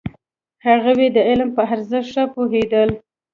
هغوی د علم په ارزښت ښه پوهېدل.